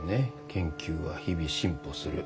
研究は日々進歩する。